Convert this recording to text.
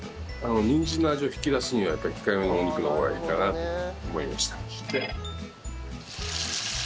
にんじんの味を引き出すにはやっぱり控えめのお肉の方がいいかなと思いました。